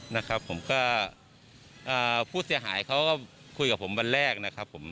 นะครับผมก็ผู้เสียหายเขาก็คุยกับผมวันแรกนะครับผม